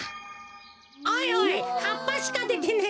おいおいはっぱしかでてねえぞ。